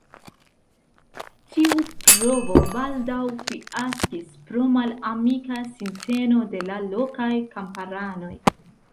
Tiu provo baldaŭ fiaskis pro malamika sinteno de la lokaj kamparanoj.